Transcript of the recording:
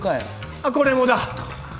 あこれもだ！